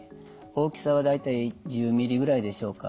大きさは大体１０ｍｍぐらいでしょうか。